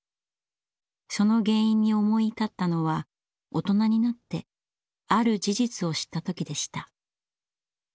その原因に思い至ったのは大人になってある事実を知った時でした。